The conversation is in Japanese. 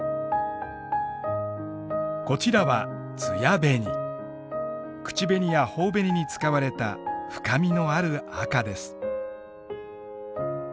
こちらは口紅やほお紅に使われた深みのある赤です。